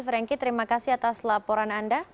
franky terima kasih atas laporan anda